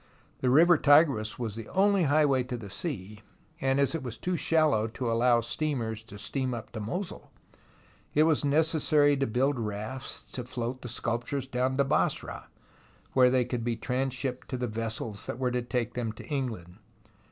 The river Tigris was the only highway to the sea, and as it was too shallow to allow steamers to steam up to Mosul, it was necessary to build rafts to float the sculptures down to Basra, where they could be transhipped to the vessels that were to take them to England.